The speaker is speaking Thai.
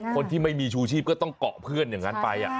คนที่ไม่มีชูชีพก็ต้องเกาะเพื่อนอย่างนั้นไป